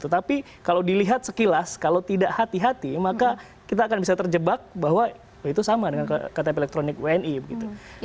tetapi kalau dilihat sekilas kalau tidak hati hati maka kita akan bisa terjebak bahwa itu sama dengan ktp elektronik wni begitu